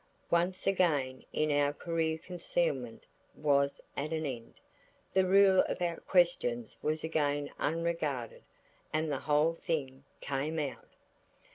Once again in our career concealment was at an end. The rule about questions was again unregarded, and the whole thing came out.